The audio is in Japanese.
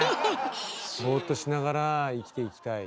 ボーっとしながら生きていきたい。